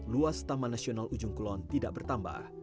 luas taman nasional ujung kulon tidak bertambah